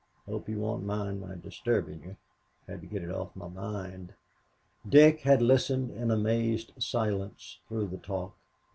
Hope you won't mind my disturbing you. Had to get it off my mind." Dick had listened in amazed silence through the talk.